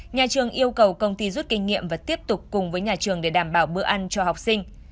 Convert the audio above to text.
nhà trường yêu cầu công ty rút kinh nghiệm và tiếp tục cùng với nhà trường để đảm bảo bữa ăn cho học sinh